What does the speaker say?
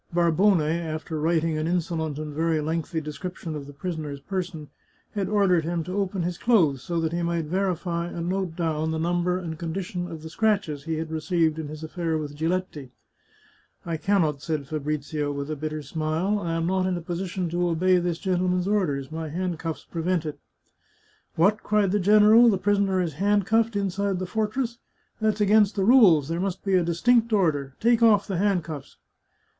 Barbone, after writing an insolent and very lengthy description of the prisoner's person, had ordered him to open his clothes, so that he might verify and note down the number and condi tion of the scratches he had received in his affair with Giletti. " I can not," said Fabrizio with a bitter smile. " I am not in a position to obey this gentleman's orders ; my hand cuffs prevent it." " What !" cried the general ;" the prisoner is handcuflfed inside the fortress ! That's against the rules ; there must be a distinct order. Take oflF the handcuffs